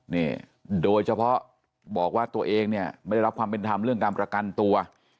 นี่โดยเฉพาะบอกว่าตัวเองเนี่ยไม่ได้รับความเป็นธรรมเรื่องการประกันตัว